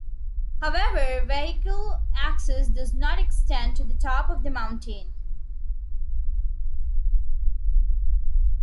However vehicle access does not extend to the top of the mountain.